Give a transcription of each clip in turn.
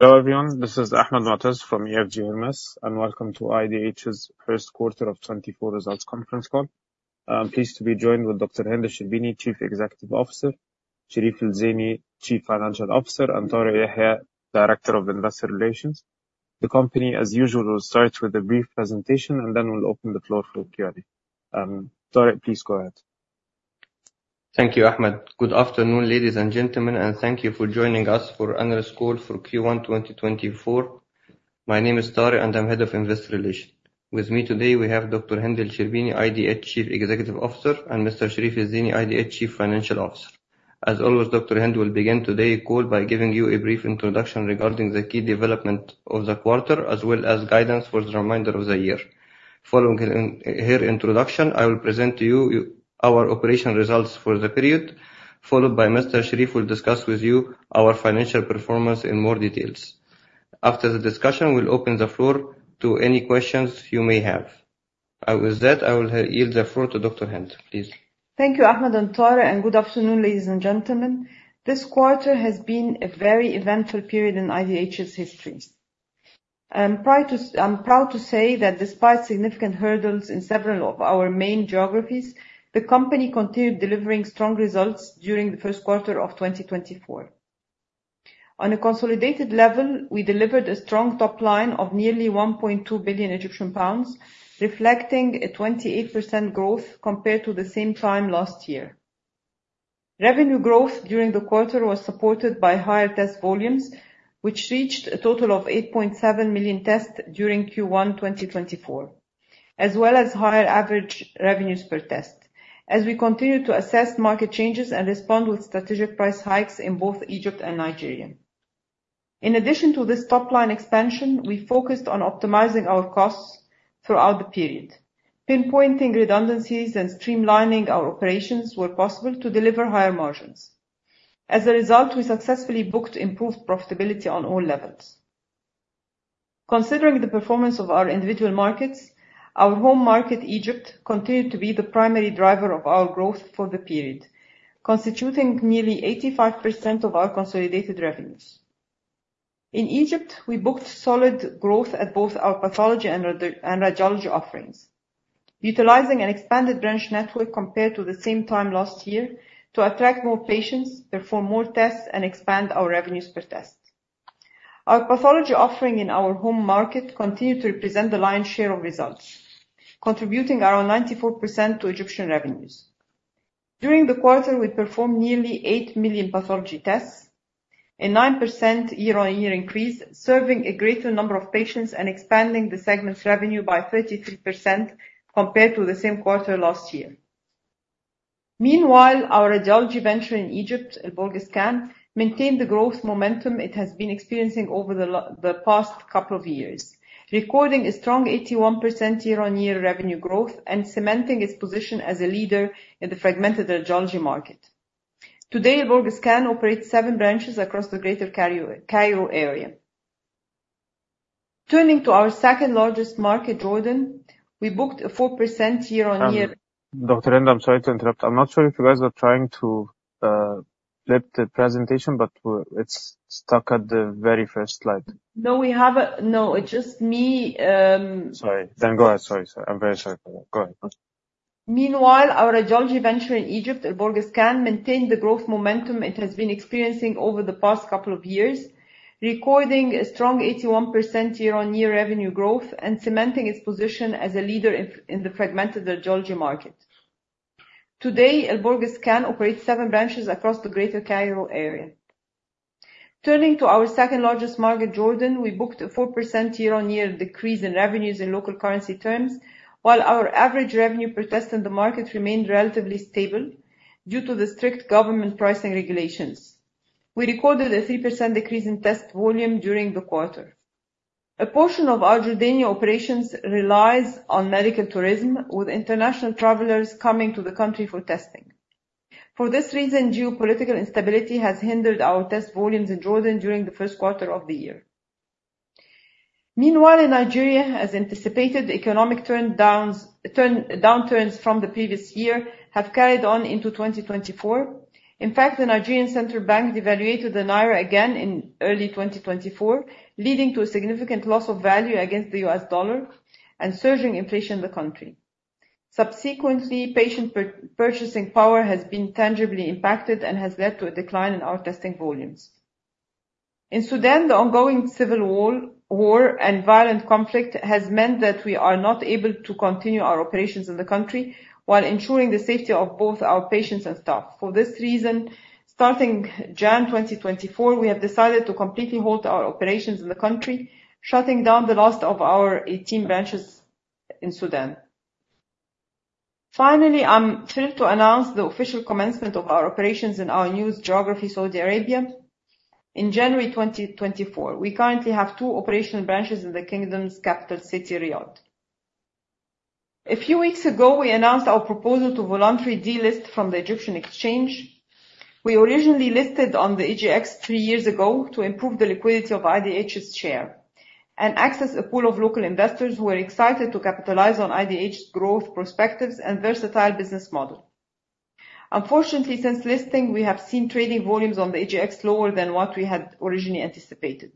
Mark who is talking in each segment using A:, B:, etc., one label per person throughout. A: Hello, everyone. This is Ahmed Moataz from EFG Hermes, and welcome to IDH's first quarter of 2024 results conference call. I'm pleased to be joined with Dr. Hend El Sherbini, Chief Executive Officer, Sherif El Zeny, Chief Financial Officer, and Tarek Yehia, Director of Investor Relations. The company, as usual, will start with a brief presentation, and then we'll open the floor for Q&A. Tarek, please go ahead.
B: Thank you, Ahmed. Good afternoon, ladies and gentlemen, and thank you for joining us for analyst call for Q1 2024. My name is Tarek, and I'm Head of Investor Relations. With me today, we have Dr. Hend El Sherbini, IDH Chief Executive Officer, and Mr. Sherif El Zeiny, IDH Chief Financial Officer. As always, Dr. Hend will begin today's call by giving you a brief introduction regarding the key development of the quarter, as well as guidance for the remainder of the year. Following her introduction, I will present to you our operational results for the period, followed by Mr. Sherif will discuss with you our financial performance in more details. After the discussion, we'll open the floor to any questions you may have. With that, I will yield the floor to Dr. Hend, please.
C: Thank you, Ahmed and Tarek, and good afternoon, ladies and gentlemen. This quarter has been a very eventful period in IDH's history. I'm proud to say that despite significant hurdles in several of our main geographies, the company continued delivering strong results during the first quarter of 2024. On a consolidated level, we delivered a strong top line of nearly 1.2 billion Egyptian pounds, reflecting a 28% growth compared to the same time last year. Revenue growth during the quarter was supported by higher test volumes, which reached a total of 8.7 million tests during Q1 2024, as well as higher average revenues per test. As we continue to assess market changes and respond with strategic price hikes in both Egypt and Nigeria. In addition to this top-line expansion, we focused on optimizing our costs throughout the period, pinpointing redundancies and streamlining our operations where possible to deliver higher margins. As a result, we successfully booked improved profitability on all levels. Considering the performance of our individual markets, our home market, Egypt, continued to be the primary driver of our growth for the period, constituting nearly 85% of our consolidated revenues. In Egypt, we booked solid growth at both our pathology and radiology offerings, utilizing an expanded branch network compared to the same time last year to attract more patients, perform more tests, and expand our revenues per test. Our pathology offering in our home market continued to represent the lion's share of results, contributing around 94% to Egyptian revenues. During the quarter, we performed nearly 8 million pathology tests, a 9% year-over-year increase, serving a greater number of patients and expanding the segment's revenue by 33% compared to the same quarter last year. Meanwhile, our radiology venture in Egypt, Al Borg Scan, maintained the growth momentum it has been experiencing over the past couple of years, recording a strong 81% year-over-year revenue growth and cementing its position as a leader in the fragmented radiology market. Today, Al Borg Scan operates 7 branches across the greater Cairo area. Turning to our second largest market, Jordan, we booked a 4% year-over-year-
A: Dr. Hend, I'm sorry to interrupt. I'm not sure if you guys are trying to flip the presentation, but it's stuck at the very first slide.
C: No, we have it. No, it's just me.
A: Sorry. Then go ahead. Sorry, sorry. I'm very sorry. Go ahead.
C: Meanwhile, our radiology venture in Egypt, Al Borg Scan, maintained the growth momentum it has been experiencing over the past couple of years, recording a strong 81% year-on-year revenue growth and cementing its position as a leader in the fragmented radiology market. Today, Al Borg Scan operates seven branches across the greater Cairo area. Turning to our second largest market, Jordan, we booked a 4% year-on-year decrease in revenues in local currency terms, while our average revenue per test in the market remained relatively stable due to the strict government pricing regulations. We recorded a 3% decrease in test volume during the quarter. A portion of our Jordanian operations relies on medical tourism, with international travelers coming to the country for testing. For this reason, geopolitical instability has hindered our test volumes in Jordan during the first quarter of the year. Meanwhile, in Nigeria, as anticipated, economic downturns from the previous year have carried on into 2024. In fact, the Central Bank of Nigeria devalued the naira again in early 2024, leading to a significant loss of value against the U.S. dollar and surging inflation in the country. Subsequently, patient purchasing power has been tangibly impacted and has led to a decline in our testing volumes. In Sudan, the ongoing civil war and violent conflict has meant that we are not able to continue our operations in the country while ensuring the safety of both our patients and staff. For this reason, starting January 2024, we have decided to completely halt our operations in the country, shutting down the last of our 18 branches in Sudan. Finally, I'm thrilled to announce the official commencement of our operations in our newest geography, Saudi Arabia, in January 2024. We currently have two operational branches in the kingdom's capital city, Riyadh. A few weeks ago, we announced our proposal to voluntarily delist from the Egyptian Exchange. We originally listed on the EGX three years ago to improve the liquidity of IDH's share and access a pool of local investors who were excited to capitalize on IDH's growth perspectives and versatile business model. Unfortunately, since listing, we have seen trading volumes on the EGX lower than what we had originally anticipated.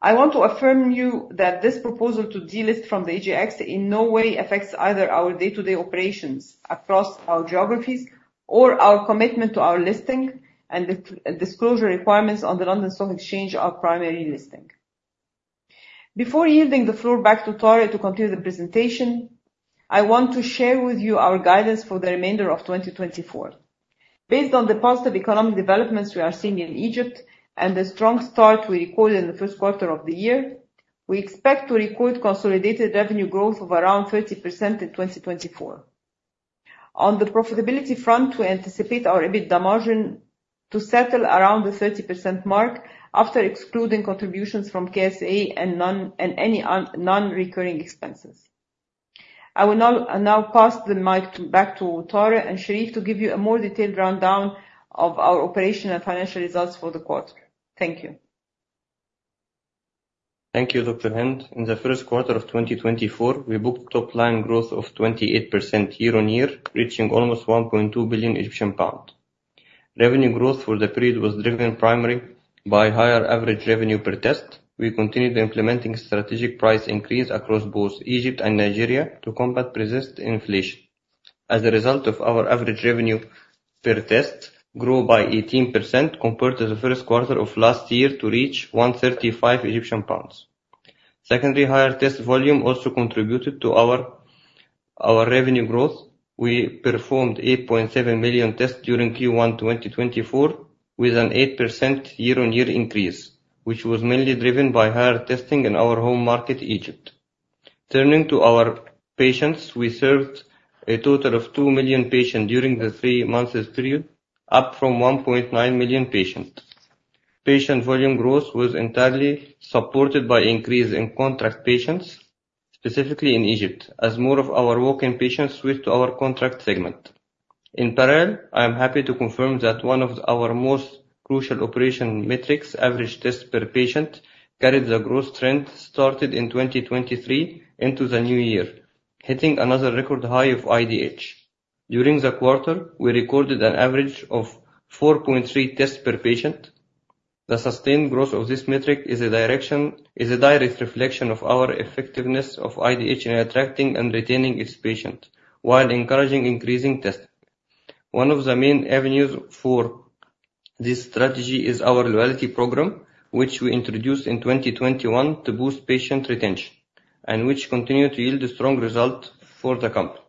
C: I want to assure you that this proposal to delist from the EGX in no way affects either our day-to-day operations across our geographies, or our commitment to our listing and the disclosure requirements on the London Stock Exchange, our primary listing. Before yielding the floor back to Tarek to continue the presentation, I want to share with you our guidance for the remainder of 2024. Based on the positive economic developments we are seeing in Egypt and the strong start we recorded in the first quarter of the year, we expect to record consolidated revenue growth of around 30% in 2024. On the profitability front, we anticipate our EBITDA margin to settle around the 30% mark after excluding contributions from KSA and non- and any non-recurring expenses. I will now pass the mic back to Tarek and Sherif to give you a more detailed rundown of our operational and financial results for the quarter. Thank you.
B: Thank you, Dr. Hend. In the first quarter of 2024, we booked top line growth of 28% year-on-year, reaching almost 1.2 billion Egyptian pounds. Revenue growth for the period was driven primarily by higher average revenue per test. We continued implementing strategic price increase across both Egypt and Nigeria to combat persistent inflation. As a result of our average revenue per test grew by 18% compared to the first quarter of last year to reach 135 Egyptian pounds. Secondly, higher test volume also contributed to our revenue growth. We performed 8.7 million tests during Q1 2024, with an 8% year-on-year increase, which was mainly driven by higher testing in our home market, Egypt. Turning to our patients, we served a total of 2 million patients during the three months period, up from 1.9 million patients. Patient volume growth was entirely supported by increase in contract patients, specifically in Egypt, as more of our walk-in patients switched to our contract segment. In parallel, I am happy to confirm that one of our most crucial operational metrics, average tests per patient, carried the growth trend started in 2023 into the new year, hitting another record high for IDH. During the quarter, we recorded an average of 4.3 tests per patient. The sustained growth of this metric is a direct reflection of our effectiveness of IDH in attracting and retaining its patients, while encouraging increasing testing. One of the main avenues for this strategy is our Loyalty Program, which we introduced in 2021 to boost patient retention, and which continued to yield a strong result for the company.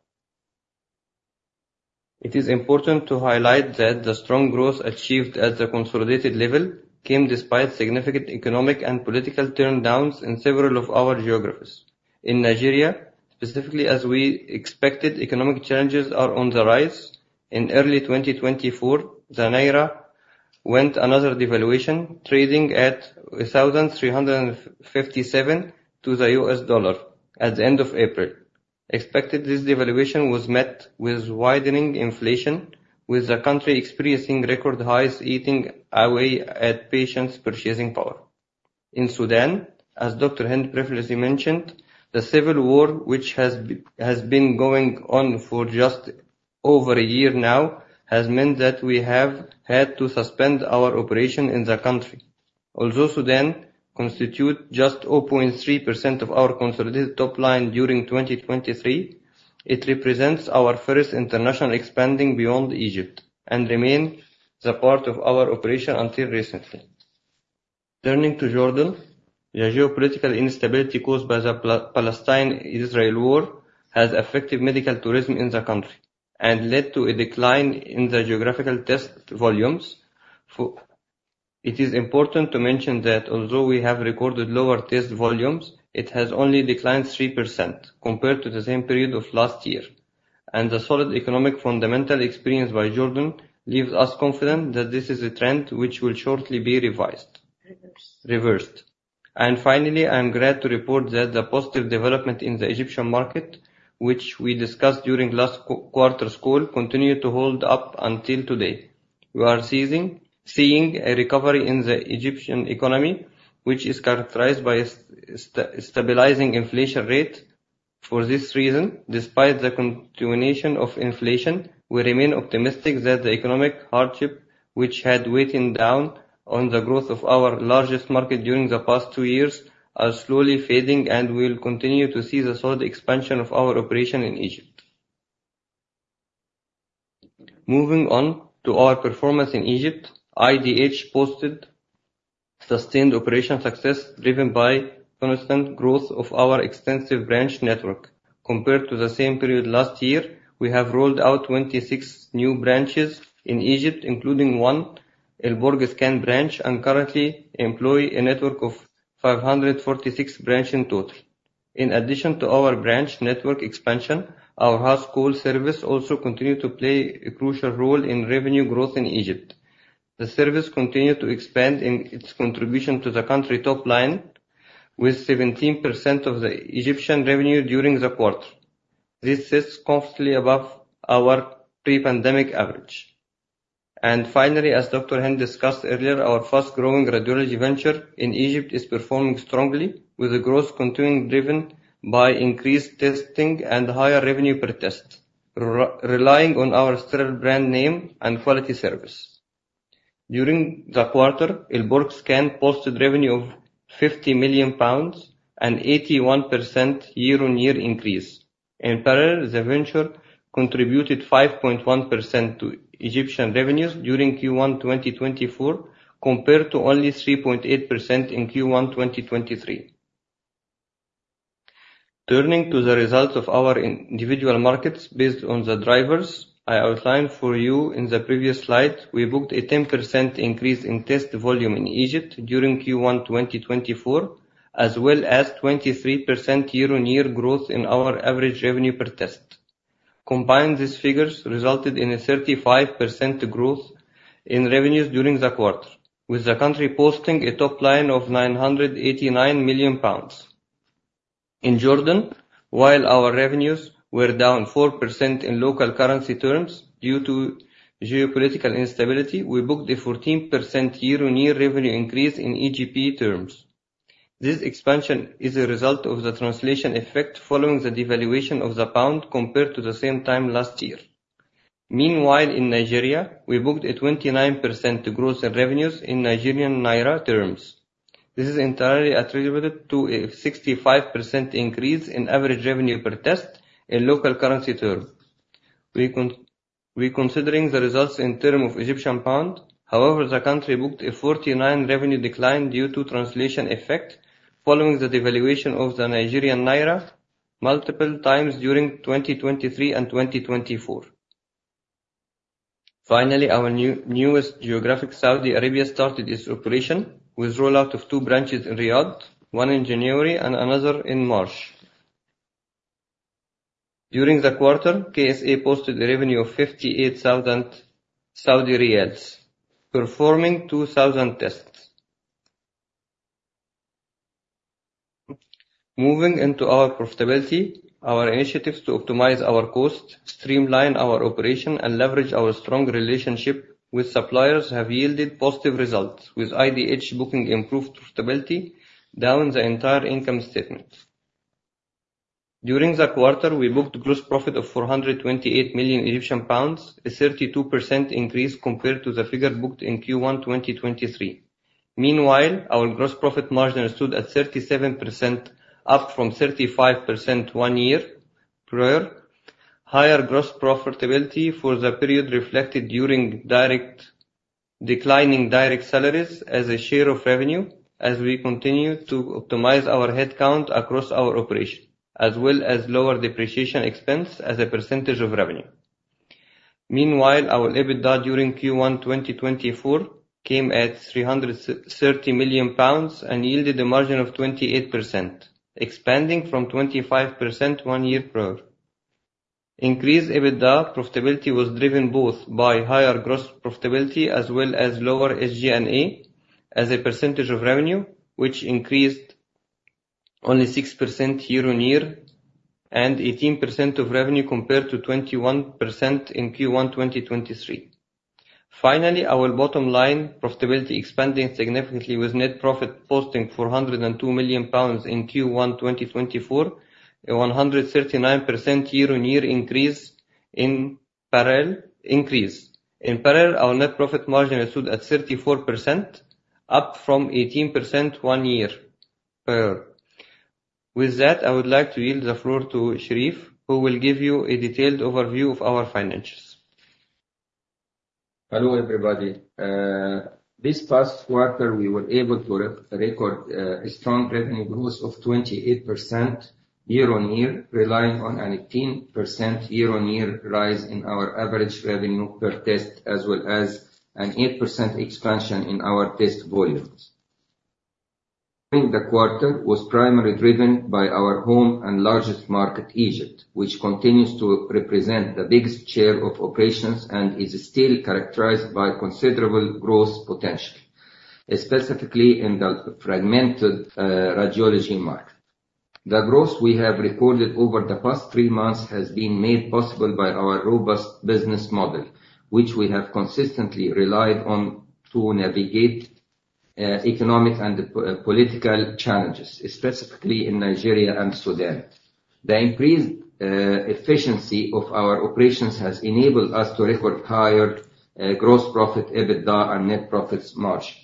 B: It is important to highlight that the strong growth achieved at the consolidated level came despite significant economic and political downturns in several of our geographies. In Nigeria, specifically, as we expected, economic challenges are on the rise. In early 2024, the Naira went another devaluation, trading at 1,357 to the U.S. dollar at the end of April. As expected, this devaluation was met with widening inflation, with the country experiencing record highs, eating away at patients' purchasing power. In Sudan, as Dr. Hend previously mentioned, the civil war, which has been going on for just over a year now, has meant that we have had to suspend our operation in the country. Although Sudan constitutes just 0.3% of our consolidated top line during 2023, it represents our first international expanding beyond Egypt and remained the part of our operation until recently. Turning to Jordan, the geopolitical instability caused by the Palestine-Israel war has affected medical tourism in the country and led to a decline in the geographical test volumes. It is important to mention that although we have recorded lower test volumes, it has only declined 3% compared to the same period of last year. And the solid economic fundamental experience by Jordan leaves us confident that this is a trend which will shortly be revised- Reversed. -reversed. Finally, I am glad to report that the positive development in the Egyptian market, which we discussed during last quarter's call, continued to hold up until today. We are seeing a recovery in the Egyptian economy, which is characterized by stabilizing inflation rate. For this reason, despite the continuation of inflation, we remain optimistic that the economic hardship, which had weighed down on the growth of our largest market during the past two years, are slowly fading, and we will continue to see the solid expansion of our operation in Egypt. Moving on to our performance in Egypt, IDH posted sustained operation success, driven by constant growth of our extensive branch network. Compared to the same period last year, we have rolled out 26 new branches in Egypt, including one Al Borg Scan branch, and currently employ a network of 546 branches in total. In addition to our branch network expansion, our house call service also continued to play a crucial role in revenue growth in Egypt. The service continued to expand in its contribution to the country top line, with 17% of the Egyptian revenue during the quarter. This sits constantly above our pre-pandemic average.... And finally, as Dr. Hend discussed earlier, our fast-growing radiology venture in Egypt is performing strongly, with the growth continuing, driven by increased testing and higher revenue per test, relying on our strong brand name and quality service. During the quarter, Al Borg Scan posted revenue of 50 million pounds, an 81% year-on-year increase. In parallel, the venture contributed 5.1% to Egyptian revenues during Q1 2024, compared to only 3.8% in Q1 2023. Turning to the results of our individual markets, based on the drivers I outlined for you in the previous slide, we booked a 10% increase in test volume in Egypt during Q1 2024, as well as 23% year-on-year growth in our average revenue per test. Combined, these figures resulted in a 35% growth in revenues during the quarter, with the country posting a top line of 989 million pounds. In Jordan, while our revenues were down 4% in local currency terms due to geopolitical instability, we booked a 14% year-on-year revenue increase in EGP terms. This expansion is a result of the translation effect following the devaluation of the pound compared to the same time last year. Meanwhile, in Nigeria, we booked a 29% growth in revenues in Nigerian naira terms. This is entirely attributed to a 65% increase in average revenue per test in local currency terms. When considering the results in terms of Egyptian pound, however, the country booked a 49% revenue decline due to translation effect following the devaluation of the Nigerian naira multiple times during 2023 and 2024. Finally, our newest geography, Saudi Arabia, started its operation with rollout of two branches in Riyadh, one in January and another in March. During the quarter, KSA posted a revenue of 58 thousand Saudi riyals, performing 2,000 tests. Moving into our profitability, our initiatives to optimize our cost, streamline our operation, and leverage our strong relationship with suppliers have yielded positive results, with IDH booking improved profitability down the entire income statement. During the quarter, we booked gross profit of 428 million Egyptian pounds, a 32% increase compared to the figures booked in Q1 2023. Meanwhile, our gross profit margin stood at 37%, up from 35% one year prior. Higher gross profitability for the period reflected declining direct salaries as a share of revenue as we continue to optimize our headcount across our operation, as well as lower depreciation expense as a percentage of revenue. Meanwhile, our EBITDA during Q1 2024 came at 330 million pounds and yielded a margin of 28%, expanding from 25% one year prior. Increased EBITDA profitability was driven both by higher gross profitability as well as lower SG&A as a percentage of revenue, which increased only 6% year-on-year, and 18% of revenue compared to 21% in Q1 2023. Finally, our bottom line profitability expanding significantly, with net profit posting 402 million pounds in Q1 2024, a 139% year-on-year increase in parallel increase. In parallel, our net profit margin stood at 34%, up from 18% one year prior. With that, I would like to yield the floor to Sherif, who will give you a detailed overview of our finances.
D: Hello, everybody. This past quarter, we were able to record a strong revenue growth of 28% year-on-year, relying on an 18% year-on-year rise in our average revenue per test, as well as an 8% expansion in our test volumes. In the quarter, was primarily driven by our home and largest market, Egypt, which continues to represent the biggest share of operations and is still characterized by considerable growth potential, specifically in the fragmented radiology market. The growth we have recorded over the past three months has been made possible by our robust business model, which we have consistently relied on to navigate economic and political challenges, specifically in Nigeria and Sudan. The increased efficiency of our operations has enabled us to record higher gross profit, EBITDA, and net profit margin.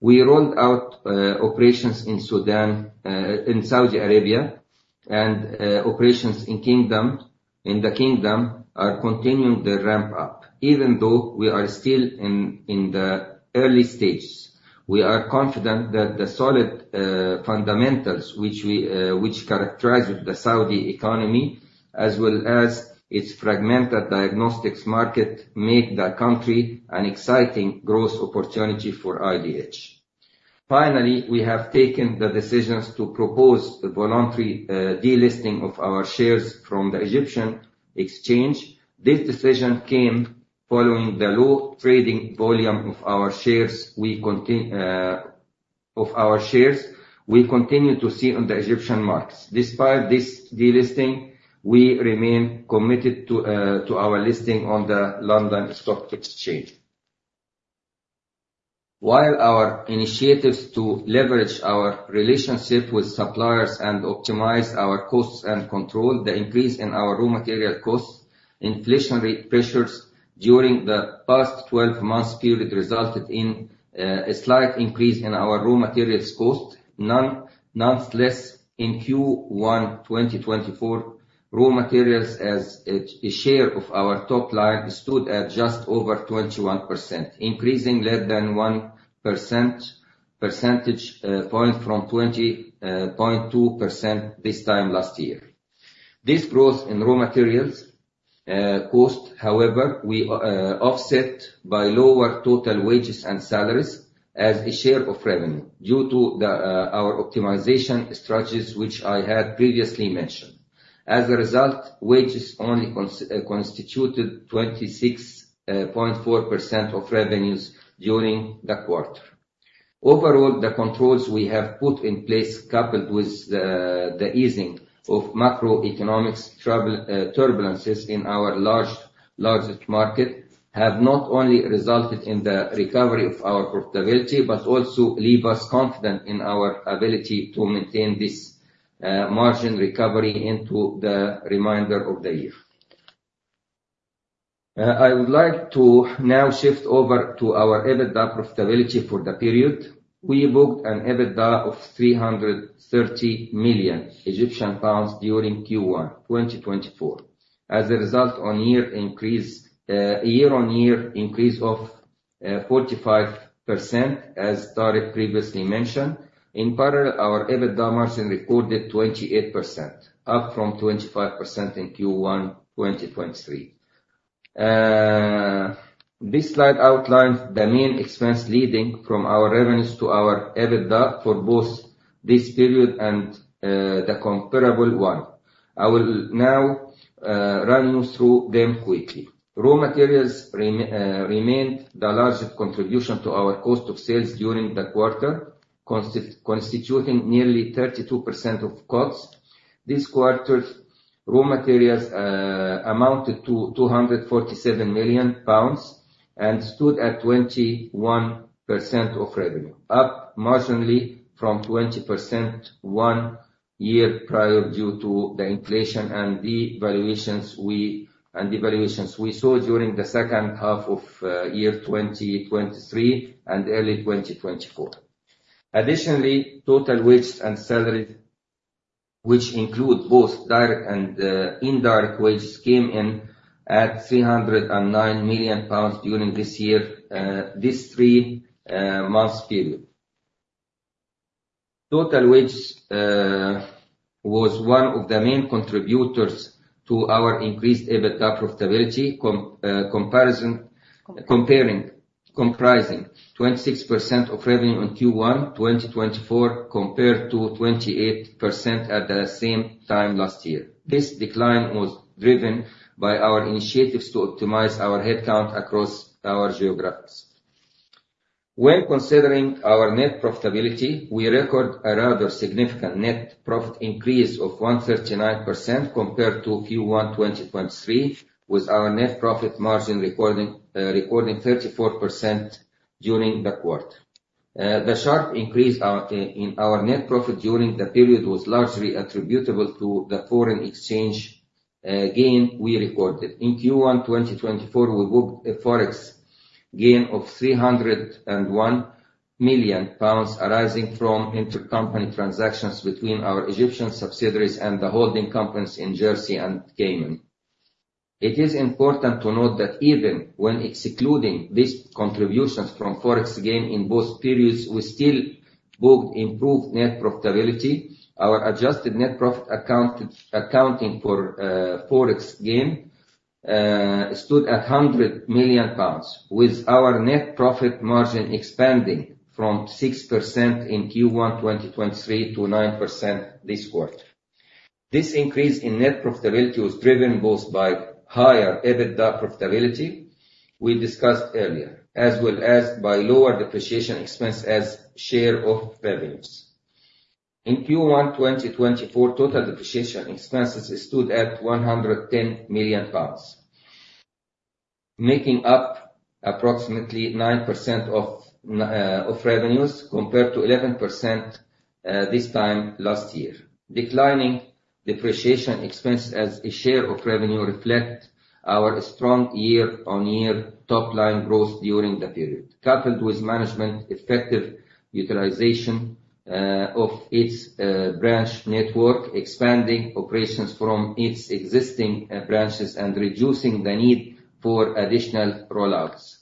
D: We rolled out operations in Sudan and Saudi Arabia, and operations in the kingdom are continuing the ramp up. Even though we are still in the early stages, we are confident that the solid fundamentals, which characterizes the Saudi economy, as well as its fragmented diagnostics market, make the country an exciting growth opportunity for IDH. Finally, we have taken the decisions to propose the voluntary delisting of our shares from the Egyptian Exchange. This decision came following the low trading volume of our shares. We continue to see low trading volume of our shares on the Egyptian markets. Despite this delisting, we remain committed to our listing on the London Stock Exchange. While our initiatives to leverage our relationship with suppliers and optimize our costs and control the increase in our raw material costs, inflationary pressures during the past twelve months period resulted in a slight increase in our raw materials cost. Nonetheless, in Q1 2024, raw materials as a share of our top line stood at just over 21%, increasing less than one percentage point from 20.2% this time last year. This growth in raw materials cost, however, we offset by lower total wages and salaries as a share of revenue due to our optimization strategies, which I had previously mentioned. As a result, wages only constituted 26.4% of revenues during the quarter. Overall, the controls we have put in place, coupled with the easing of macroeconomic turbulences in our largest market, have not only resulted in the recovery of our profitability, but also leave us confident in our ability to maintain this margin recovery into the remainder of the year. I would like to now shift over to our EBITDA profitability for the period. We booked an EBITDA of 330 million Egyptian pounds during Q1 2024. As a result, year-on-year increase of 45%, as Tarek previously mentioned. In parallel, our EBITDA margin recorded 28%, up from 25% in Q1 2023. This slide outlines the main expense leading from our revenues to our EBITDA for both this period and the comparable one. I will now run you through them quickly. Raw materials remained the largest contribution to our cost of sales during the quarter, constituting nearly 32% of costs. This quarter's raw materials amounted to 247 million pounds and stood at 21% of revenue, up marginally from 20% one year prior, due to the inflation and devaluations we saw during the second half of year 2023 and early 2024. Additionally, total wages and salaries, which include both direct and indirect wages, came in at 309 million pounds during this year, this three months period. Total wages was one of the main contributors to our increased EBITDA profitability, comprising 26% of revenue on Q1 2024, compared to 28% at the same time last year. This decline was driven by our initiatives to optimize our headcount across our geographies. When considering our net profitability, we record a rather significant net profit increase of 139% compared to Q1 2023, with our net profit margin recording 34% during the quarter. The sharp increase in our net profit during the period was largely attributable to the foreign exchange gain we recorded. In Q1 2024, we booked a forex gain of 301 million pounds, arising from intercompany transactions between our Egyptian subsidiaries and the holding companies in Jersey and Cayman. It is important to note that even when excluding these contributions from forex gain in both periods, we still booked improved net profitability. Our adjusted net profit, accounting for forex gain, stood at 100 million pounds, with our net profit margin expanding from 6% in Q1 2023 to 9% this quarter. This increase in net profitability was driven both by higher EBITDA profitability we discussed earlier, as well as by lower depreciation expense as share of revenues. In Q1 2024, total depreciation expenses stood at 110 million pounds, making up approximately 9% of revenues, compared to 11% this time last year. Declining depreciation expense as a share of revenue reflect our strong year-on-year top line growth during the period, coupled with management effective utilization of its branch network, expanding operations from its existing branches and reducing the need for additional rollouts.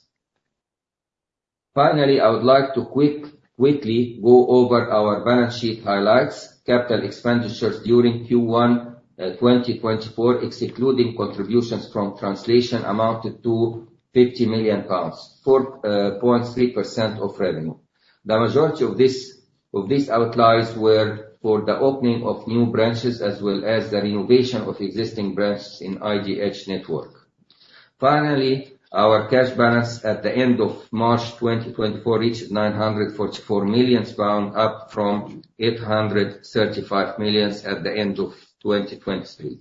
D: Finally, I would like to quickly go over our balance sheet highlights. Capital expenditures during Q1 2024, excluding contributions from translation, amounted to 50 million pounds, 4.3% of revenue. The majority of this, of these outlays were for the opening of new branches, as well as the renovation of existing branches in IDH network. Finally, our cash balance at the end of March 2024 reached 944 million pounds, up from 835 million at the end of 2023.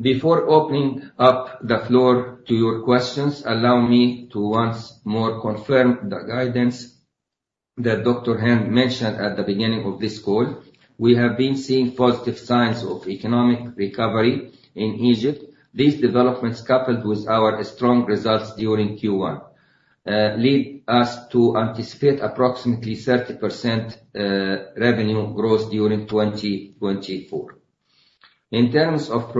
D: Before opening up the floor to your questions, allow me to once more confirm the guidance that Dr. Hend mentioned at the beginning of this call. We have been seeing positive signs of economic recovery in Egypt. These developments, coupled with our strong results during Q1, lead us to anticipate approximately 30% revenue growth during 2024. In terms of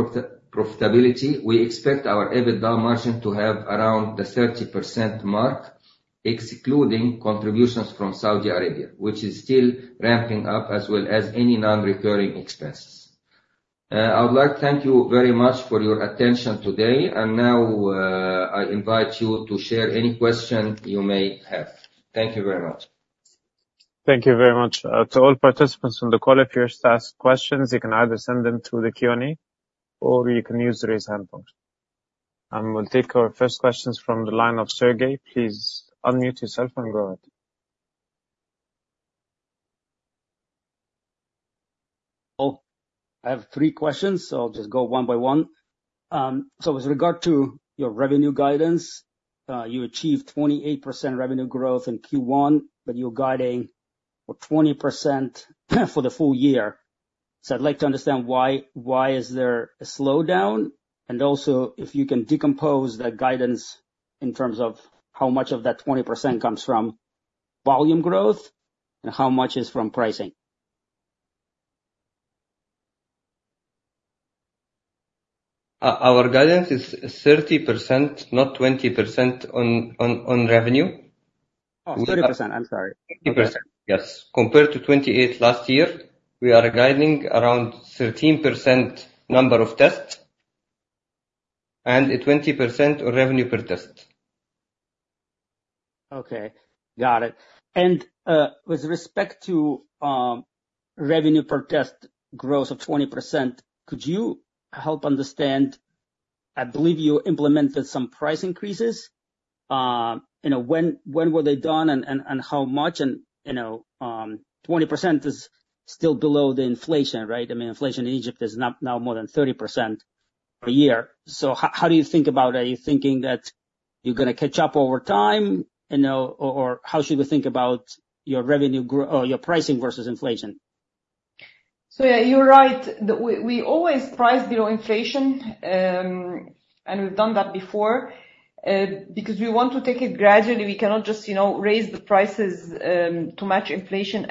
D: profitability, we expect our EBITDA margin to have around the 30% mark, excluding contributions from Saudi Arabia, which is still ramping up, as well as any non-recurring expenses. I would like to thank you very much for your attention today, and now, I invite you to share any question you may have. Thank you very much.
A: Thank you very much. To all participants on the call, if you wish to ask questions, you can either send them through the Q&A, or you can use the Raise Hand function. And we'll take our first questions from the line of Sergey. Please unmute yourself and go ahead.
E: Oh, I have three questions, so I'll just go one by one. So with regard to your revenue guidance, you achieved 28% revenue growth in Q1, but you're guiding for 20% for the full year. So I'd like to understand why, why is there a slowdown? And also, if you can decompose the guidance in terms of how much of that 20% comes from volume growth and how much is from pricing.
D: Our guidance is 30%, not 20%, on revenue.
E: Oh, 30%. I'm sorry.
D: 30%, yes. Compared to 28 last year, we are guiding around 13% number of tests and a 20% revenue per test.
E: Okay, got it. And, with respect to, revenue per test growth of 20%, could you help understand... I believe you implemented some price increases? You know, when were they done, and how much? And, you know, 20% is still below the inflation, right? I mean, inflation in Egypt is now more than 30% per year. So how do you think about it? Are you thinking that you're gonna catch up over time? You know, or how should we think about your revenue grow or your pricing versus inflation?
C: So yeah, you're right. We always price below inflation, and we've done that before, because we want to take it gradually. We cannot just, you know, raise the prices to match inflation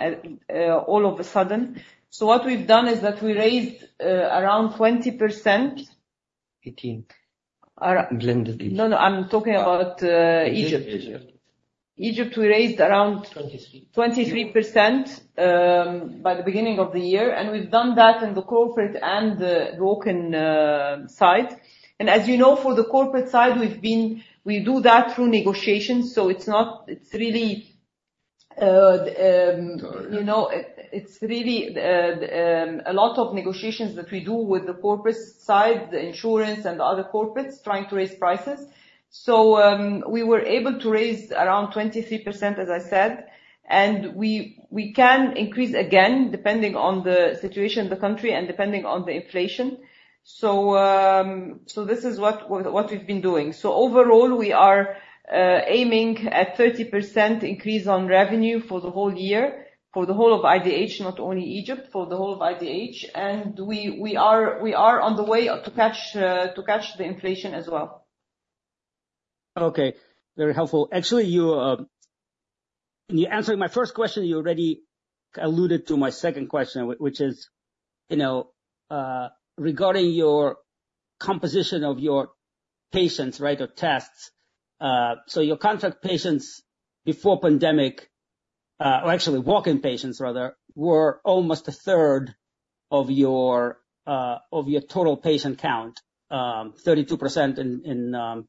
C: all of a sudden. So what we've done is that we raised around 20%-
D: Eighteen.
C: Around-
D: Blended eighteen.
C: No, no, I'm talking about Egypt.
D: Egypt.
C: Egypt, we raised around-
D: Twenty-three.
C: 23%, by the beginning of the year, and we've done that in the corporate and the walk-in side. And as you know, for the corporate side, we've been we do that through negotiations, so it's not it's really, you know, it, it's really, a lot of negotiations that we do with the corporate side, the insurance and the other corporates, trying to raise prices. So, we were able to raise around 23%, as I said, and we, we can increase again, depending on the situation in the country and depending on the inflation. So, so this is what, what we've been doing. So overall, we are aiming at 30% increase on revenue for the whole year, for the whole of IDH, not only Egypt, for the whole of IDH. We are on the way to catch the inflation as well.
E: Okay, very helpful. Actually, you in you answering my first question, you already alluded to my second question, which is, you know, regarding your composition of your patients, right, or tests. So your contract patients before pandemic, or actually walk-in patients rather, were almost a third of your of your total patient count, 32% in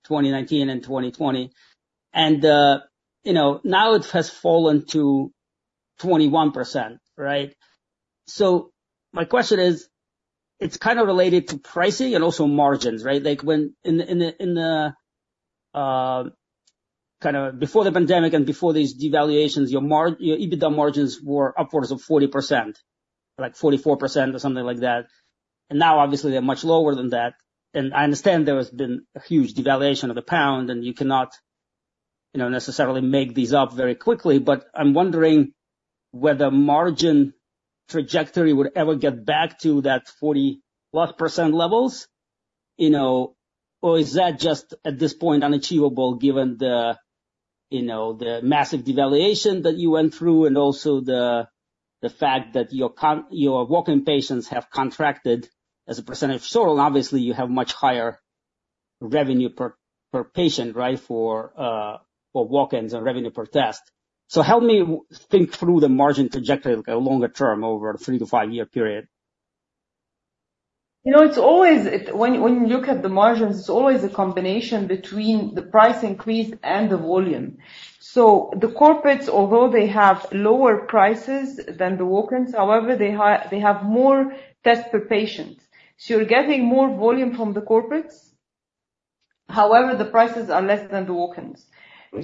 E: 2019 and 2020. And you know, now it has fallen to 21%, right? So my question is, it's kind of related to pricing and also margins, right? Like when... In the kind of before the pandemic and before these devaluations, your your EBITDA margins were upwards of 40%, like 44% or something like that. And now, obviously, they're much lower than that. I understand there has been a huge devaluation of the pound, and you cannot, you know, necessarily make these up very quickly. But I'm wondering whether margin trajectory would ever get back to that 40%+ levels, you know, or is that just, at this point, unachievable, given the, you know, the massive devaluation that you went through and also the fact that your walk-in patients have contracted as a percentage of total, obviously, you have much higher revenue per patient, right, for walk-ins and revenue per test. So help me think through the margin trajectory, like, longer term, over a 3- to 5-year period.
C: You know, it's always. When you look at the margins, it's always a combination between the price increase and the volume. So the corporates, although they have lower prices than the walk-ins, however, they have more tests per patient. So you're getting more volume from the corporates. However, the prices are less than the walk-ins.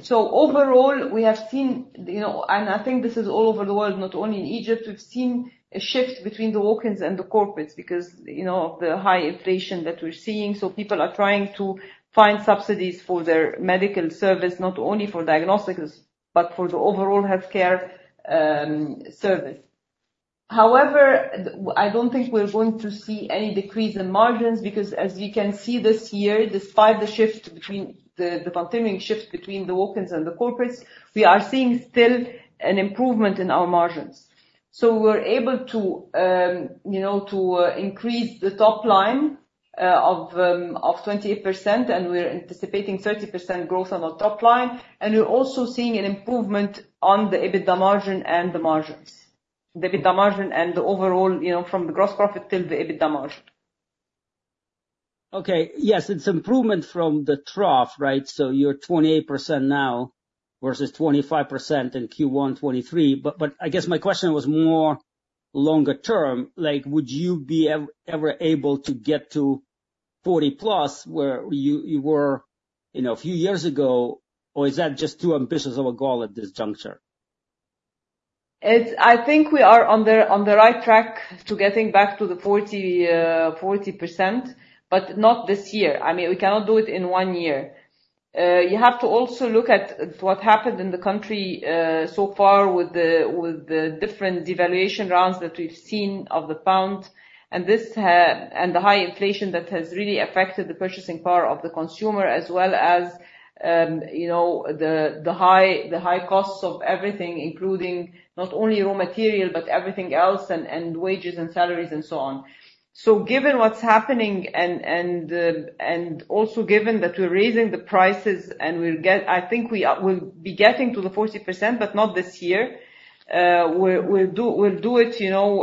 C: So overall, we have seen, you know, and I think this is all over the world, not only in Egypt, we've seen a shift between the walk-ins and the corporates, because, you know, of the high inflation that we're seeing, so people are trying to find subsidies for their medical service, not only for diagnostics, but for the overall healthcare service. However, I don't think we're going to see any decrease in margins, because as you can see this year, despite the continuing shift between the walk-ins and the corporates, we are seeing still an improvement in our margins. So we're able to, you know, to increase the top line of 28%, and we're anticipating 30% growth on our top line, and we're also seeing an improvement on the EBITDA margin and the margins. The EBITDA margin and the overall, you know, from the gross profit till the EBITDA margin.
E: Okay. Yes, it's improvement from the trough, right? So you're 28% now, versus 25% in Q1 2023. But, but I guess my question was more longer term, like, would you be ever able to get to 40+, where you, you were, you know, a few years ago? Or is that just too ambitious of a goal at this juncture?
C: It's. I think we are on the right track to getting back to the 40%, but not this year. I mean, we cannot do it in one year. You have to also look at what happened in the country so far with the different devaluation rounds that we've seen of the pound, and this and the high inflation that has really affected the purchasing power of the consumer, as well as, you know, the high costs of everything, including not only raw material, but everything else, and wages and salaries and so on. So given what's happening and also given that we're raising the prices and we'll get. I think we'll be getting to the 40%, but not this year. We'll do it, you know,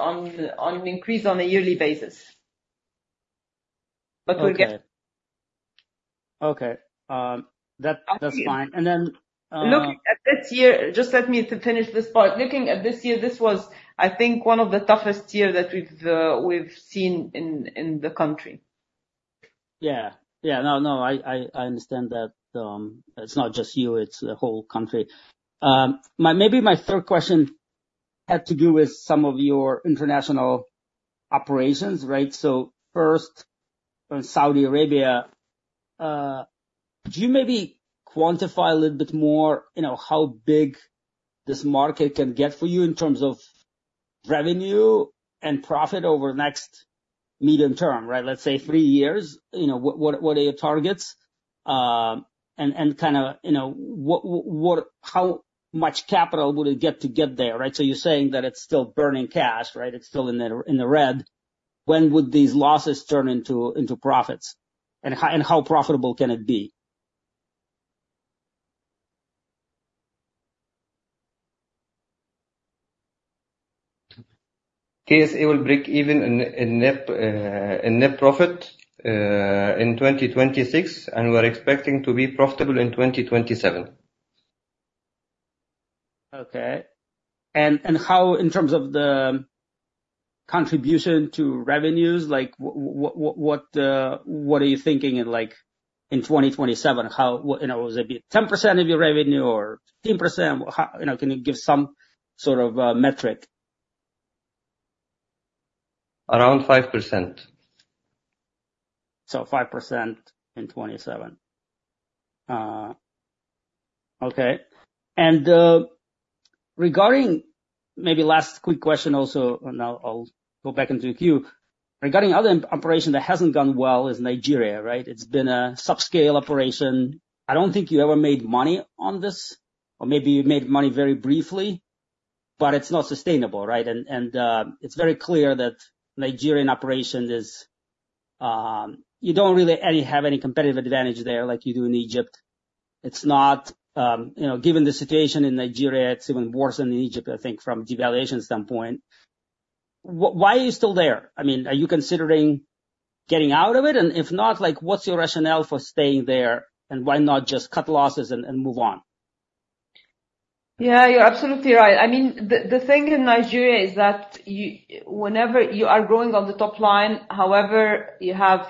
C: on an increase on a yearly basis. But we'll get-
E: Okay. Okay,
C: Uh-...
E: that's fine. And then,
C: Looking at this year, just let me to finish this part. Looking at this year, this was, I think, one of the toughest year that we've seen in the country.
E: Yeah. Yeah, no, no, I understand that, it's not just you, it's the whole country. Maybe my third question had to do with some of your international operations, right? So first, in Saudi Arabia, could you maybe quantify a little bit more, you know, how big this market can get for you in terms of revenue and profit over the next medium term, right? Let's say three years, you know, what are your targets? And kind of, you know, what, how much capital would it take to get there, right? So you're saying that it's still burning cash, right? It's still in the red. When would these losses turn into profits? And how profitable can it be?
C: KSA will break even in net profit in 2026, and we're expecting to be profitable in 2027.
E: Okay. And how, in terms of the contribution to revenues, like, what are you thinking in, like, in 2027? How... you know, will it be 10% of your revenue or 15%? How... You know, can you give some sort of a metric?
C: Around 5%.
E: So 5% in 2027. Okay. And regarding... Maybe last quick question also, and I'll go back into the queue. Regarding other operation that hasn't gone well, is Nigeria, right? It's been a subscale operation. I don't think you ever made money on this, or maybe you made money very briefly, but it's not sustainable, right? And it's very clear that Nigerian operation is you don't really have any competitive advantage there, like you do in Egypt. It's not, you know, given the situation in Nigeria, it's even worse than in Egypt, I think, from a devaluation standpoint. Why are you still there? I mean, are you considering getting out of it? And if not, like, what's your rationale for staying there, and why not just cut losses and move on?
C: Yeah, you're absolutely right. I mean, the thing in Nigeria is that whenever you are growing on the top line, however, you have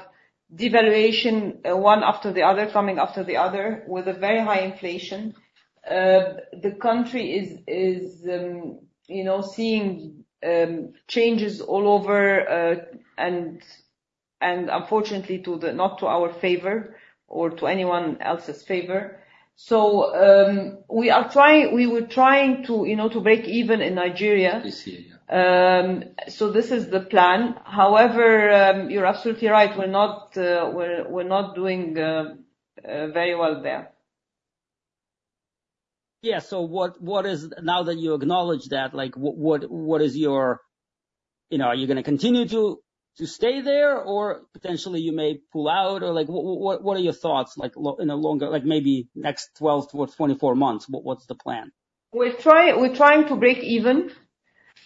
C: devaluation one after the other, coming after the other, with a very high inflation. The country is, you know, seeing changes all over, and unfortunately, not to our favor or to anyone else's favor. So, we were trying to, you know, to break even in Nigeria.
E: This year, yeah.
C: So this is the plan. However, you're absolutely right. We're not doing very well there.
E: Yeah. So what is... Now that you acknowledge that, like, what is your... You know, are you gonna continue to stay there, or potentially you may pull out? Or like, what are your thoughts, like, longer, like, maybe next 12-24 months, what's the plan?
C: We're trying to break even,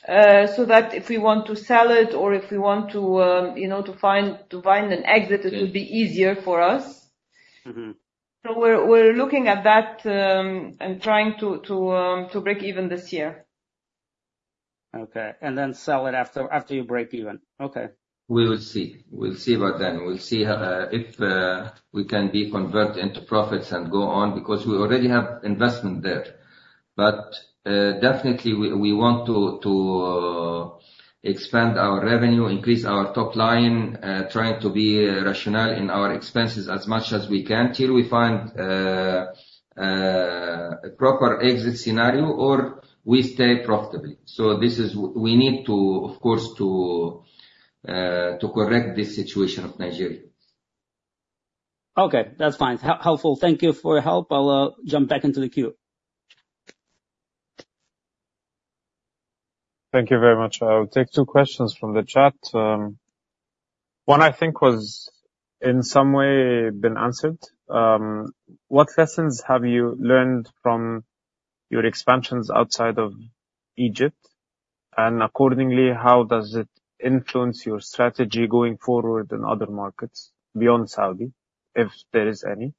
C: so that if we want to sell it or if we want to, you know, to find an exit-
E: Yeah...
C: it will be easier for us.
E: Mm-hmm.
C: So we're looking at that, and trying to break even this year....
E: Okay, and then sell it after, after you break even? Okay.
D: We will see. We'll see about then. We'll see if we can convert into profits and go on, because we already have investment there. But definitely we want to expand our revenue, increase our top line, trying to be rational in our expenses as much as we can till we find a proper exit scenario or we stay profitably. So this is. We need to, of course, correct this situation of Nigeria.
E: Okay, that's fine. Helpful. Thank you for your help. I'll jump back into the queue.
A: Thank you very much. I'll take two questions from the chat. One, I think, was in some way been answered. What lessons have you learned from your expansions outside of Egypt? And accordingly, how does it influence your strategy going forward in other markets beyond Saudi, if there is any?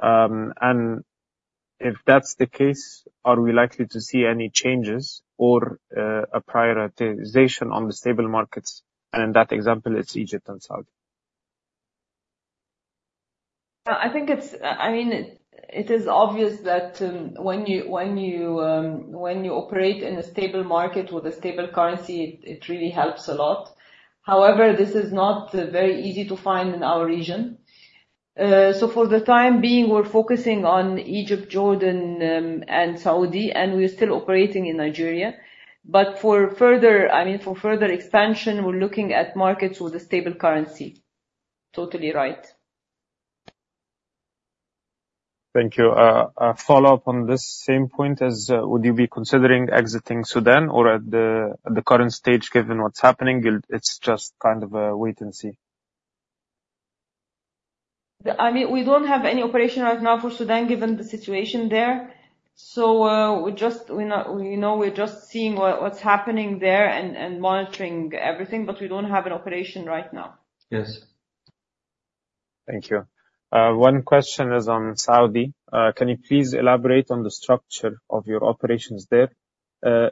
A: And if that's the case, are we likely to see any changes or, a prioritization on the stable markets? And in that example, it's Egypt and Saudi.
C: I think it's. I mean, it is obvious that, when you operate in a stable market with a stable currency, it really helps a lot. However, this is not very easy to find in our region. So for the time being, we're focusing on Egypt, Jordan, and Saudi, and we're still operating in Nigeria. But for further expansion, we're looking at markets with a stable currency. Totally right.
A: Thank you. A follow-up on this same point is, would you be considering exiting Sudan, or at the current stage, given what's happening, it'll, it's just kind of a wait and see?
C: I mean, we don't have any operation right now for Sudan, given the situation there. So, we just know we're just seeing what's happening there and monitoring everything, but we don't have an operation right now.
A: Yes. Thank you. One question is on Saudi. Can you please elaborate on the structure of your operations there?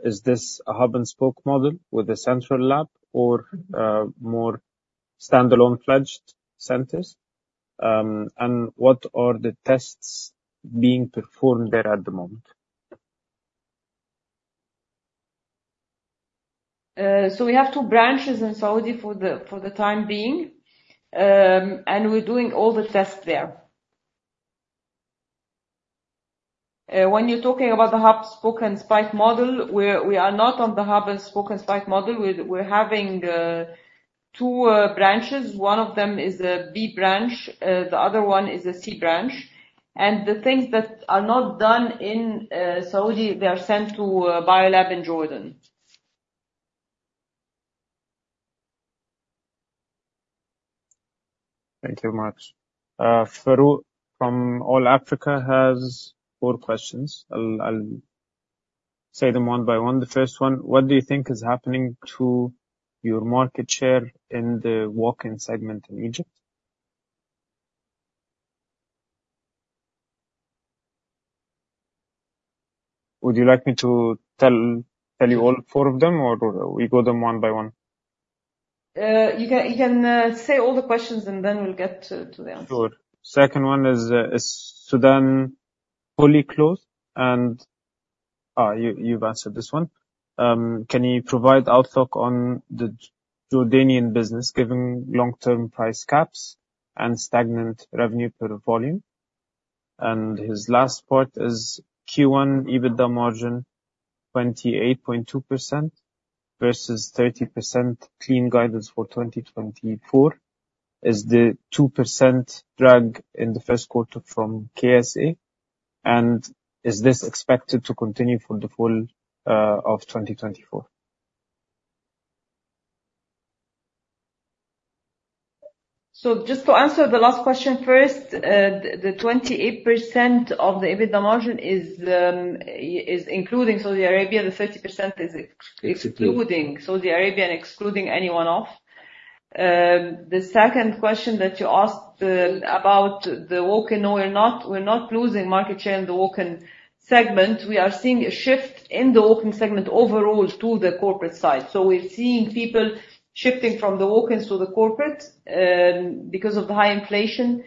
A: Is this a hub and spoke model with a central lab or more standalone pledged centers? And what are the tests being performed there at the moment?
C: So we have two branches in Saudi for the time being, and we're doing all the tests there. When you're talking about the Hub, Spoke and Spike model, we are not on the Hub, Spoke and Spike model. We're having two branches. One of them is a B branch, the other one is a C branch. And the things that are not done in Saudi, they are sent to Biolab in Jordan.
A: Thank you very much. Farouk from AllAfrica has four questions. I'll say them one by one. The first one: What do you think is happening to your market share in the walk-in segment in Egypt? Would you like me to tell you all four of them, or do we go them one by one?
C: You can say all the questions, and then we'll get to the answers.
A: Sure. Second one is, is Sudan fully closed? And you've answered this one. Can you provide outlook on the Jordanian business, given long-term price caps and stagnant revenue per volume? And his last part is Q1 EBITDA margin, 28.2% versus 30% clean guidance for 2024. Is the 2% drag in the first quarter from KSA, and is this expected to continue for the full of 2024?
C: Just to answer the last question first, the 28% of the EBITDA margin is including Saudi Arabia. The 30% is-
A: excluding...
C: excluding Saudi Arabia and excluding anyone off. The second question that you asked about the walk-in, no, we're not, we're not losing market share in the walk-in segment. We are seeing a shift in the walk-in segment overall to the corporate side. So we're seeing people shifting from the walk-ins to the corporate because of the high inflation.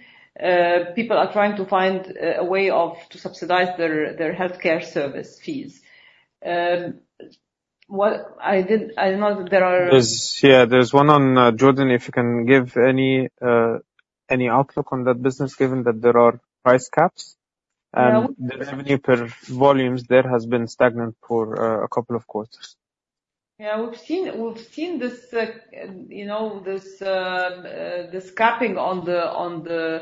C: People are trying to find a way to subsidize their healthcare service fees. What I did—I know that there are-
A: Yeah, there's one on Jordan, if you can give any outlook on that business, given that there are price caps?
C: Yeah...
A: and the revenue per volumes, there has been stagnant for, a couple of quarters.
C: Yeah, we've seen this, you know, this capping on the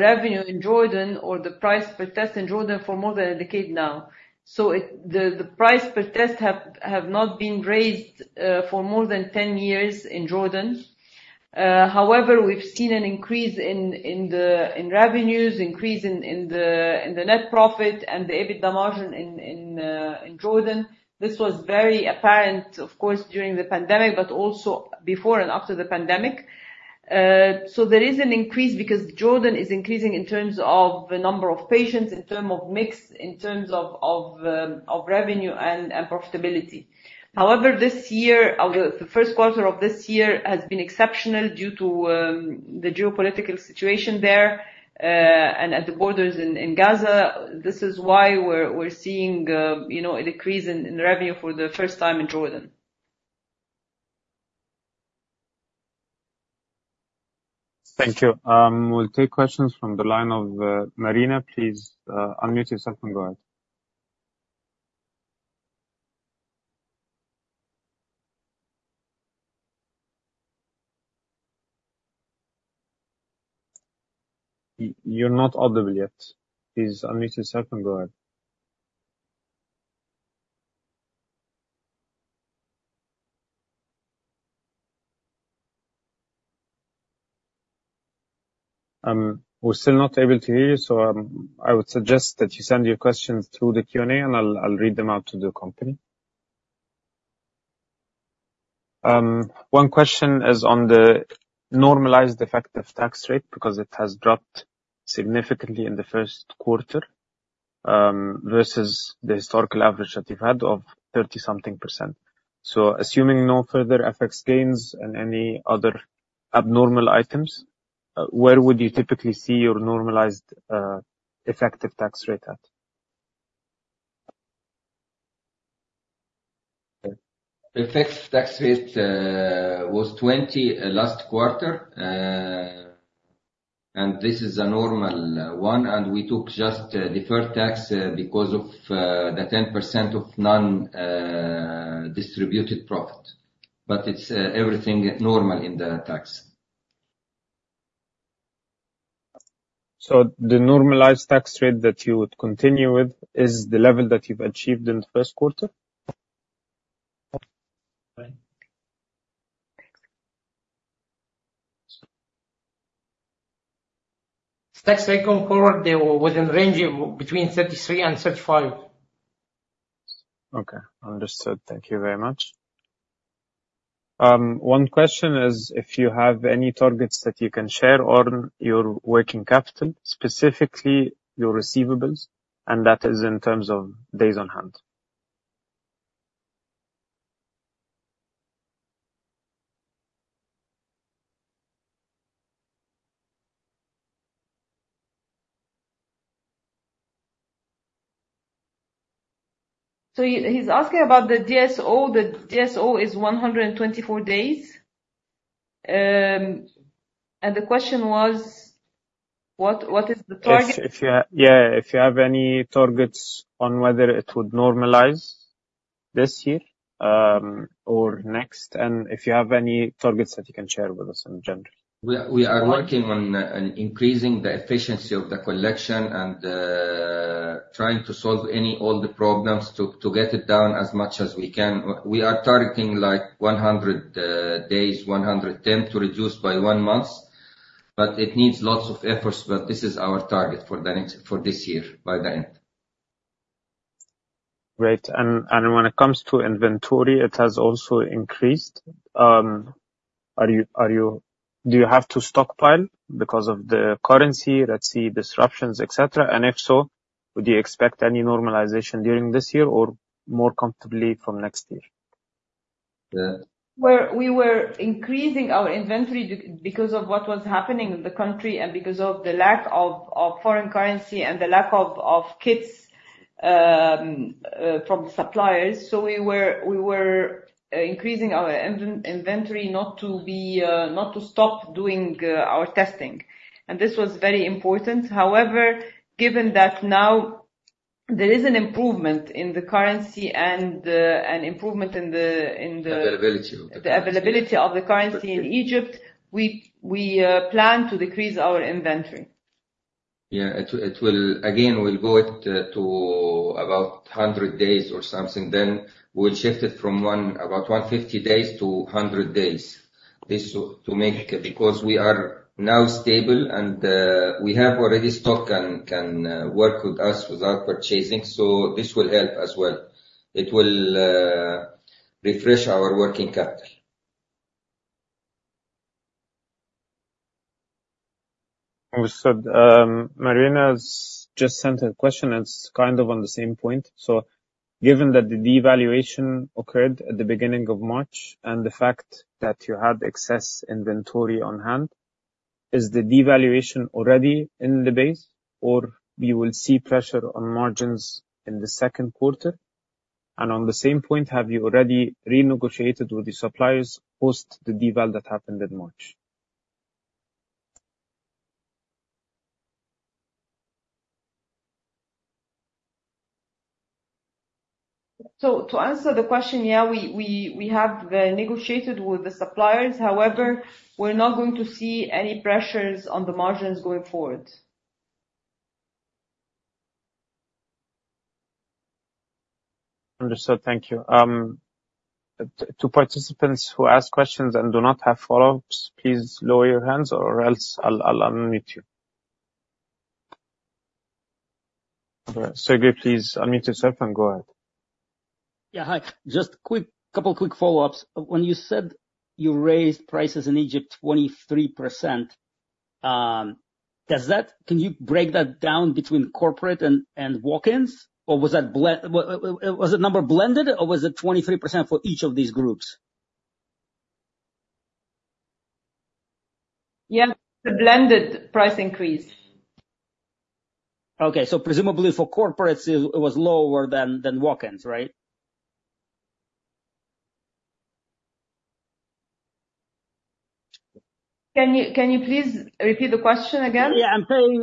C: revenue in Jordan or the price per test in Jordan for more than a decade now. So, the price per test have not been raised for more than 10 years in Jordan. However, we've seen an increase in revenues, increase in the net profit and the EBITDA margin in Jordan. This was very apparent, of course, during the pandemic, but also before and after the pandemic. So, there is an increase because Jordan is increasing in terms of the number of patients, in term of mix, in terms of revenue and profitability. However, this year, the first quarter of this year has been exceptional due to the geopolitical situation there and at the borders in Gaza. This is why we're seeing, you know, a decrease in revenue for the first time in Jordan.
A: Thank you. We'll take questions from the line of Marina. Please unmute yourself and go ahead. You're not audible yet. Please unmute yourself and go ahead. We're still not able to hear you, so I would suggest that you send your questions through the Q&A, and I'll read them out to the company. One question is on the normalized effective tax rate, because it has dropped significantly in the first quarter versus the historical average that you've had of 30-something%. So assuming no further FX gains and any other abnormal items, where would you typically see your normalized effective tax rate at?
D: The fixed tax rate was 20% last quarter. This is a normal one, and we took just deferred tax because of the 10% of non distributed profit. It's everything normal in the tax.
A: The normalized tax rate that you would continue with is the level that you've achieved in the first quarter?
C: Tax rate going forward, they were within range of between 33% and 35%.
A: Okay. Understood. Thank you very much. One question is, if you have any targets that you can share on your working capital, specifically your receivables, and that is in terms of days on hand?
C: He's asking about the DSO. The DSO is 124 days. And the question was, what is the target?
A: Yeah, if you have any targets on whether it would normalize this year, or next, and if you have any targets that you can share with us in general?
D: We are working on increasing the efficiency of the collection and trying to solve any, all the problems to get it down as much as we can. We are targeting, like, 100 days, 110, to reduce by one month, but it needs lots of efforts. But this is our target for this year, by the end.
A: Great. And when it comes to inventory, it has also increased. Are you, do you have to stockpile because of the currency, let's say, disruptions, et cetera? And if so, would you expect any normalization during this year or more comfortably from next year?
D: Yeah.
C: Well, we were increasing our inventory because of what was happening in the country and because of the lack of foreign currency and the lack of kits from the suppliers. So we were increasing our inventory not to stop doing our testing. And this was very important. However, given that now there is an improvement in the currency and an improvement in the-
D: Availability...
C: The availability of the currency in Egypt, we plan to decrease our inventory.
D: Yeah, it will, it will, again, will go it to about 100 days or something, then we'll shift it from one, about 150 days to 100 days. This will, to make it, because we are now stable and, we have already stock and can, work with us without purchasing, so this will help as well. It will refresh our working capital.
A: Understood. Marina has just sent a question that's kind of on the same point. So given that the devaluation occurred at the beginning of March and the fact that you had excess inventory on hand, is the devaluation already in the base, or we will see pressure on margins in the second quarter? And on the same point, have you already renegotiated with the suppliers post the deval that happened in March?
C: To answer the question, yeah, we have negotiated with the suppliers. However, we're not going to see any pressures on the margins going forward.
A: Understood. Thank you. Two participants who asked questions and do not have follow-ups, please lower your hands or else I'll unmute you.... All right. Sergey, please unmute yourself and go ahead.
E: Yeah, hi. Just quick, couple quick follow-ups. When you said you raised prices in Egypt 23%, can you break that down between corporate and walk-ins? Or was that blended, or was it 23% for each of these groups?
C: Yeah, the blended price increase.
E: Okay. So presumably for corporates, it was lower than walk-ins, right?
C: Can you please repeat the question again?
E: Yeah, I'm saying,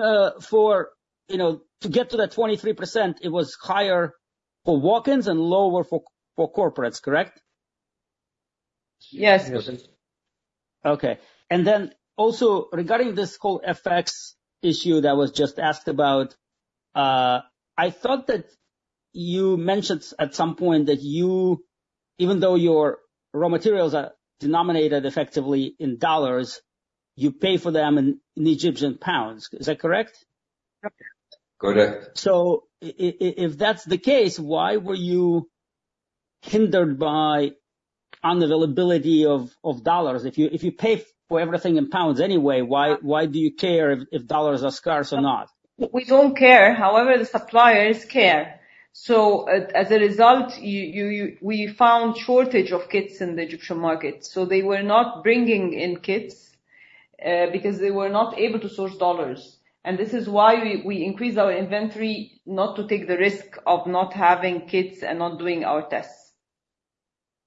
E: you know, to get to that 23%, it was higher for walk-ins and lower for corporates, correct?
C: Yes.
D: Yes.
E: Okay. And then also, regarding this whole FX issue that was just asked about, I thought that you mentioned at some point that you... even though your raw materials are denominated effectively in U.S. dollars, you pay for them in, in Egyptian pounds. Is that correct?
C: Yep.
D: Correct.
E: So if that's the case, why were you hindered by unavailability of dollars? If you pay for everything in pounds anyway, why do you care if dollars are scarce or not?
C: We don't care, however, the suppliers care. So as a result, we found shortage of kits in the Egyptian market. So they were not bringing in kits, because they were not able to source dollars. And this is why we increased our inventory, not to take the risk of not having kits and not doing our tests.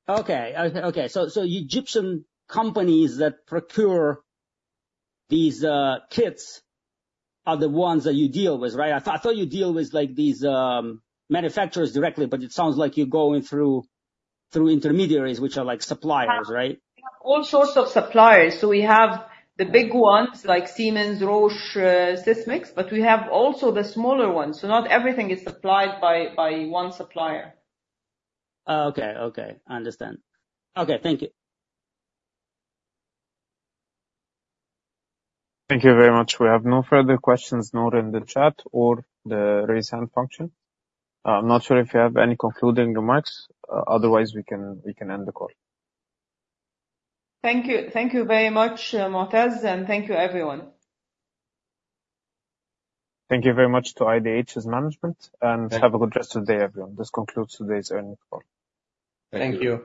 E: Okay. So Egyptian companies that procure these kits are the ones that you deal with, right? I thought you deal with, like, these manufacturers directly, but it sounds like you're going through intermediaries, which are like suppliers, right?
C: All sorts of suppliers. So we have the big ones like Siemens, Roche, Sysmex, but we have also the smaller ones. So not everything is supplied by one supplier.
E: Oh, okay, okay, I understand. Okay, thank you.
A: Thank you very much. We have no further questions, nor in the chat or the raise hand function. I'm not sure if you have any concluding remarks, otherwise, we can, we can end the call.
C: Thank you. Thank you very much, Motaz, and thank you, everyone.
A: Thank you very much to IDH's management. Thank you. And have a good rest of the day, everyone. This concludes today's earnings call. Thank you.